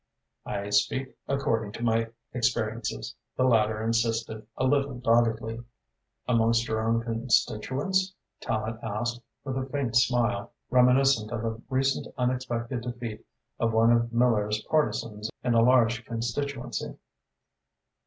"I speak according to my experience," the latter insisted, a little doggedly. "Amongst your own constituents?" Tallente asked, with a faint smile, reminiscent of a recent unexpected defeat of one of Miller's partisans in a large constituency.